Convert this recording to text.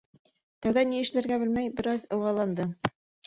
Тәүҙә ни эшләргә белмәй, бер аҙ ыуаланды.